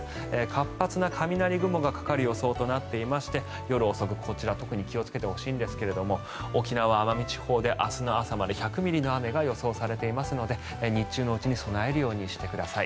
活発な雷雲がかかる予想となっていまして夜遅く、こちら特に気をつけてほしいんですが沖縄・奄美地方で明日の朝まで１００ミリの雨が予想されていますので日中のうちに備えるようにしてください。